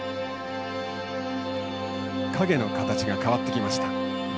影の形が変わってきました。